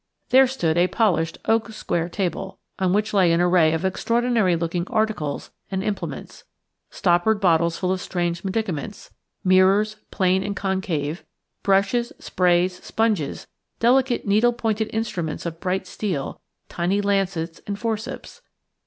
There stood a polished oak square table, on which lay an array of extraordinary looking articles and implements – stoppered bottles full of strange medicaments, mirrors, plane and concave, brushes, sprays, sponges, delicate needle pointed instruments of bright steel, tiny lancets, and forceps.